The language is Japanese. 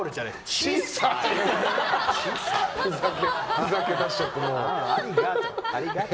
ふざけだしちゃって。